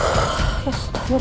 kalian pasti tahu puan